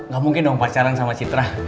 gak mungkin dong pacaran sama citra